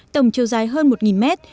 tổng chiều dài hơn một mét